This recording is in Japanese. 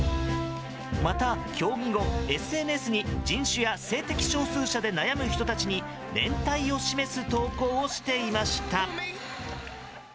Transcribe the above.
また競技後、ＳＮＳに人種や性的少数者で悩む人たちに連帯を示す投稿をしていました。